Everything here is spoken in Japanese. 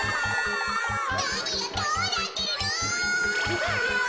なにがどうなってるの！